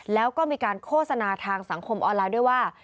แล้วก็มีการโฆษณาทางสังคมออนไลน์ด้วยว่า